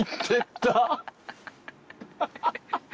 ハハハハ！